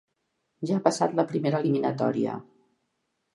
Ja ha passat la primera eliminatòria.